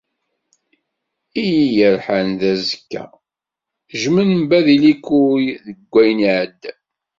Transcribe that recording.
Iyi-yerḥan d azekka, "jmenba li kuy" deg wayen iεeddan.